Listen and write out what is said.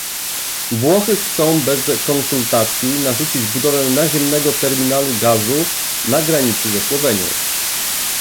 Włochy chcą bez konsultacji narzucić budowę naziemnego terminalu gazu na granicy ze Słowenią